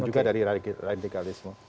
juga dari radikalisme